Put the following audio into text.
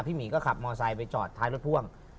หมีก็ขับมอไซค์ไปจอดท้ายรถพ่วง